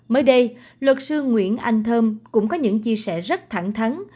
mới đây luật sư nguyễn anh thơm cũng có những chia sẻ rất thẳng thắng